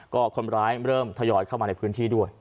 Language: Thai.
ก็คนร้ายเริ่มทยอยเข้ามาในพื้นที่ด้วย